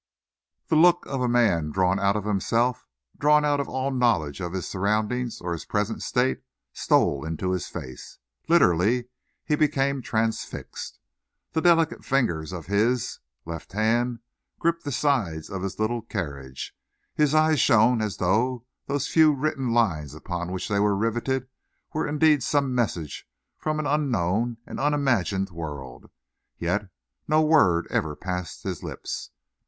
The look of a man drawn out of himself, drawn out of all knowledge of his surroundings or his present state, stole into his face. Literally he became transfixed. The delicate fingers of his left hand gripped the sides of his little carriage. His eyes shone as though those few written lines upon which they were riveted were indeed some message from an unknown, an unimagined world. Yet no word ever passed his lips.